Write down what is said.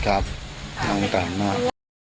กลับนั่งตามนั่ง